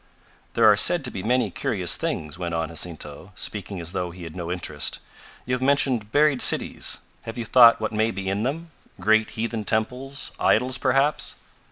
"There are said to be many curious things," went on Jacinto, speaking as though he had no interest. "You have mentioned buried cities. Have you thought what may be in them great heathen temples, idols, perhaps?"